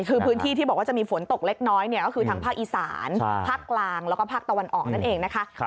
คือพื้นที่ที่บอกว่าจะมีฝนตกเล็กน้อยเนี่ยก็คือทางภาคอีสานภาคกลางแล้วก็ภาคตะวันออกนั่นเองนะคะ